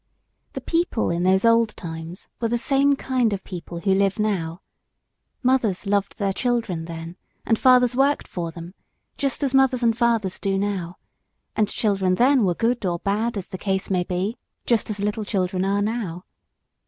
The people in those old times were the same kind of people who live now. Mothers loved their children then, and fathers worked for them, just as mothers and fathers do now, and children then were good or bad, as the case might be, just as little children are now.